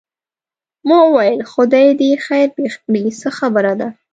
ما وویل خدای دې خیر پېښ کړي څه خبره ده.